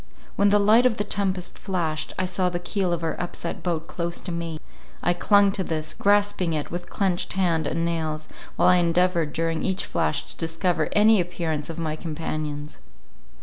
When the light of the tempest flashed, I saw the keel of our upset boat close to me—I clung to this, grasping it with clenched hand and nails, while I endeavoured during each flash to discover any appearance of my companions.